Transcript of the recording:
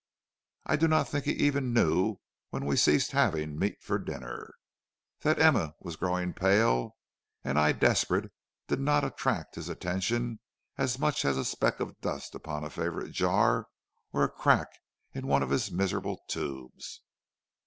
I do not think he even knew when we ceased having meat for dinner. That Emma was growing pale and I desperate did not attract his attention as much as a speck of dust upon a favorite jar or a crack in one of his miserable tubes.